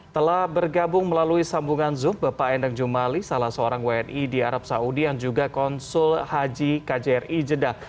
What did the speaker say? telah bergabung melalui sambungan zoom bapak endang jumali salah seorang wni di arab saudi yang juga konsul haji kjri jeddah